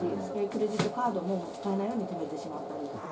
クレジットカードも使えないように止めてしまったりとか。